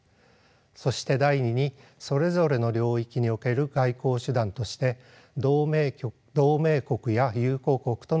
そして第２にそれぞれの領域における外交手段として同盟国や友好国との協力を重視しています。